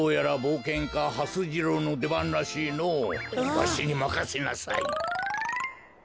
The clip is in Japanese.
わしにまかせなさい。